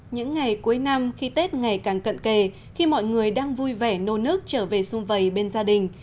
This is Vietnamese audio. những ngày cuối năm khi tết ngày càng cận kề khi mọi người đang vui vẻ nô nước trở về xung vầy bên gia đình